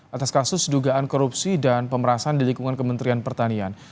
atas kasus dugaan korupsi dan pemerasan di lingkungan kementerian pertanian